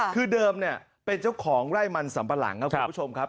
คือเดิมเนี่ยเป็นเจ้าของไร่มันสัมปะหลังครับคุณผู้ชมครับ